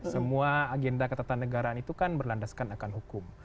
semua agenda ketatan negaraan itu kan berlandaskan akan hukum